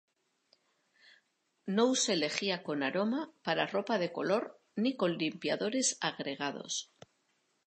No use lejía con aroma, para ropa de color ni con limpiadores agregados.